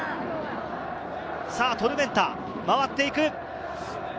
さぁトルメンタ、回っていく。